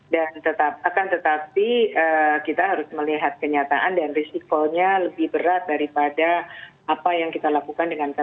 dan tetapi kita harus melihat kenyataan dan risikonya lebih berat daripada apa yang kita lakukan dengan ptm